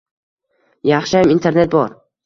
Yaxshiyam internet bor.